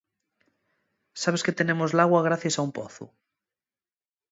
Sabes que tenemos l'agua gracies a un pozu.